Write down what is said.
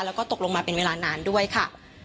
แล้วก็ตกลงมาเป็นเวลานานด้วยค่ะ